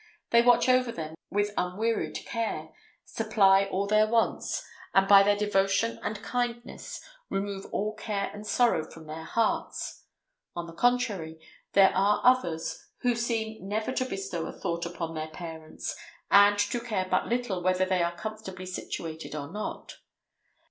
They watch over them with unwearied care, supply all their wants, and by their devotion and kindness remove all care and sorrow from their hearts. On the contrary, there are others who seem never to bestow a thought upon their parents, and to care but little whether they are comfortably situated or not.